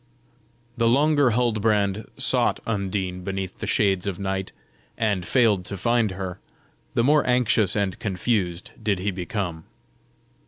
The longer Huldbrand sought Undine beneath the shades of night, and failed to find her, the more anxious and confused did he become.